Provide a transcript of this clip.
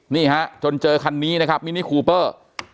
นี่ฮะจนเจอคันนี้นะครับมินิคูเปอร์